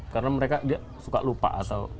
karena mereka suka lupa atau